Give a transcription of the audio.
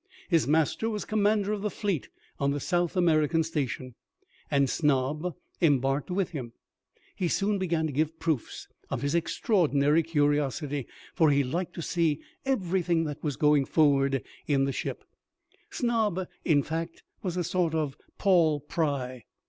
His master was commander of the fleet on the South American station, and Snob embarked with him. He soon began to give proofs of his extraordinary curiosity, for he liked to see everything that was going forward in the ship. Snob, in fact, was a sort of Paul Pry.